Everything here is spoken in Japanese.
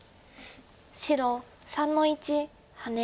白３の一ハネ。